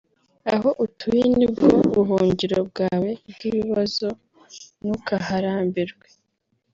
… aho utuye nibwo buhungiro bwawe bw’ibibazo ntukaharambirwe